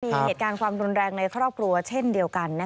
มีเหตุการณ์ความรุนแรงในครอบครัวเช่นเดียวกัน